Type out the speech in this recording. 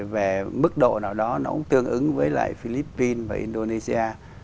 về mức độ nào đó nó cũng tương ứng với lại philippines và indonesia